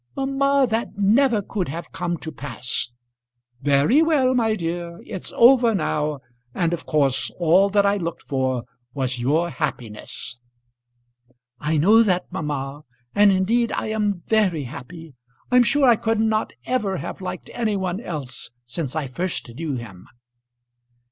"Mamma, that never could have come to pass." "Very well, my dear. It's over now, and of course all that I looked for was your happiness." "I know that, mamma; and indeed I am very happy. I'm sure I could not ever have liked any one else since I first knew him."